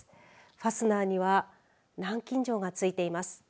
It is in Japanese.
ファスナーには南京錠が付いています。